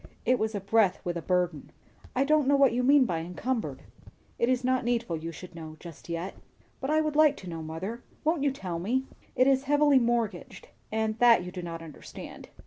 It was a breath with a burden. "I don't know what you mean by 'encumbered.'" "It is not needful you should know, just yet." "But I should like to know, mother. Won't you tell me?" "It is heavily mortgaged. And that you do not understand.